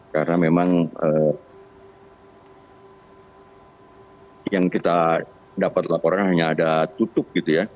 karena memang yang kita dapat laporan hanya ada tutup gitu ya